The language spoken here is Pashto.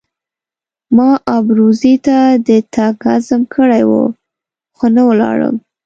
ما ابروزي ته د تګ عزم کړی وو خو نه ولاړم.